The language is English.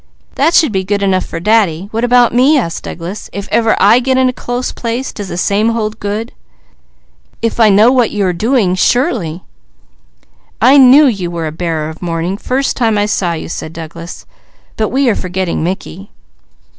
"That should be good enough for Daddy; what about me?" asked Douglas. "If ever I get in a close place, does the same hold good?" "If I know what you are doing, surely!" "I knew you were a 'Bearer of Morning' first time I saw you," said Douglas. "But we are forgetting Mickey."